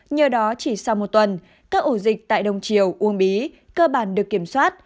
nhờ đó chỉ sau một tuần các ổ dịch tại đông triều uông bí cơ bản được kiểm soát